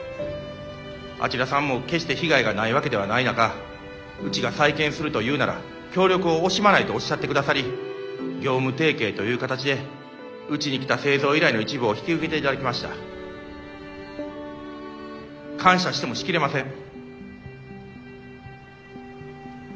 あちらさんも決して被害がないわけではない中うちが再建すると言うなら協力を惜しまないとおっしゃってくださり業務提携という形でうちに来た製造依頼の一部を引き受けていただきました。感謝してもし切れません。